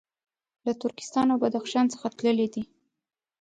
له ترکستان او بدخشان څخه تللي دي.